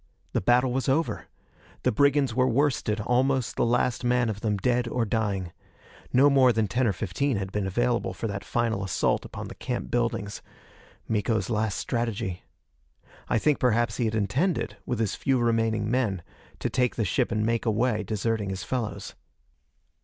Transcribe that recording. The battle was over. The brigands were worsted, almost the last man of them dead or dying. No more than ten or fifteen had been available for that final assault upon the camp buildings. Miko's last strategy. I think perhaps he had intended, with his few remaining men, to take the ship and make away, deserting his fellows.